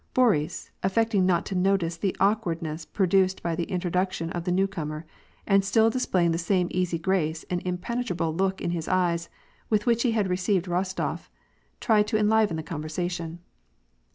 Boris, affecting not to notice the awkwardness pro duced by the introduction of the new comer, and still display ing the same easy grace and impenetrable look of his eyes, with which he had received Rostof, tried to enliven the conversa tion.